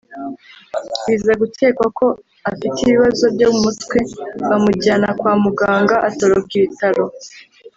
biza gukekwa ko afite ibibazo byo mu mutwe bamujyana kwa muganga atoroka ibitaro